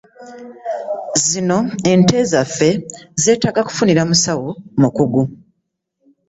Zino ente zaffe zetaaga kufunira musawo mukugu.